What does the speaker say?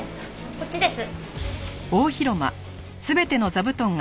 こっちです。